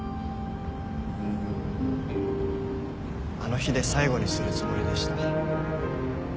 あの日で最後にするつもりでした。